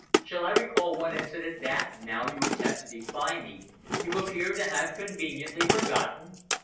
Shall I recall one incident, that, now you attempt to defy me, you appear to have conveniently forgotten?